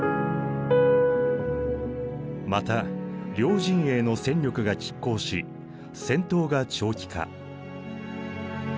また両陣営の戦力がきっ抗し戦闘が長期化。